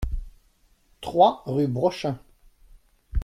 trois rue Brochain